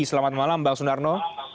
selamat malam bang sunarno